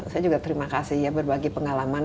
saya juga terima kasih ya berbagi pengalaman